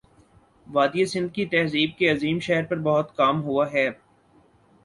وادیٔ سندھ کی تہذیب کے عظیم شہر پر بہت کام ہوا ہے